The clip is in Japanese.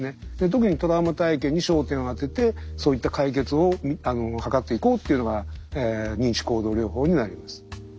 特にトラウマ体験に焦点を当ててそういった解決を図っていこうっていうのが認知行動療法になります。